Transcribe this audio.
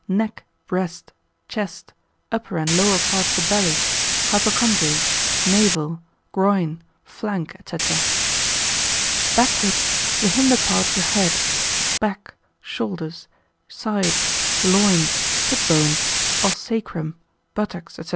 neck, breast, chest, upper and lower part of the belly, hypocondries, navel, groin, flank, &c. backward, the hinder part of the head, back, shoulders, sides, loins, hipbones, os sacrum, buttocks, &c.